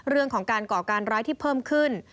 เรื่องของการก่อการร้ายที่เพิ่มขึ้น